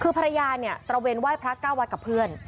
คือภรรยาเนี่ยตระเวนไหว้พระเก้าวัดกับเพื่อน